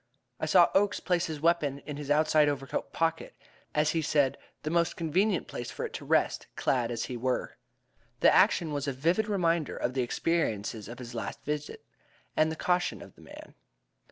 I saw Oakes place his weapon in his outside overcoat pocket as he said, the most convenient place for it to rest, clad as we were. The action was a vivid reminder of the experiences of his last visit, and of the caution of the man.